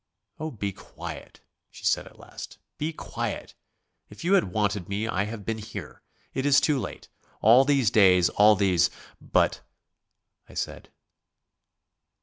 "Oh, be quiet," she said at last. "Be quiet! If you had wanted me I have been here. It is too late. All these days; all these " "But ..." I said.